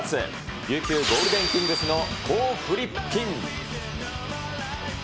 琉球ゴールデンキングスのコー・フリッピン。